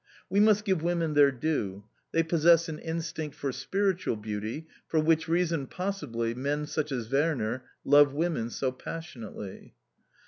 We must give women their due: they possess an instinct for spiritual beauty, for which reason, possibly, men such as Werner love women so passionately.